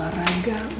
udah lama gak jogging